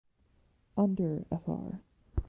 Under Fr.